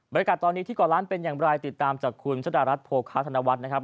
ตอนนี้ที่เกาะล้านเป็นอย่างไรติดตามจากคุณชะดารัฐโภคาธนวัฒน์นะครับ